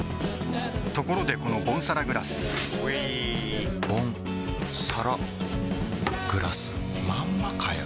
ところでこのボンサラグラスうぃボンサラグラスまんまかよ